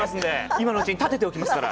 今のうちにたてておきますから。